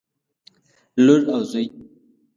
لور او زوى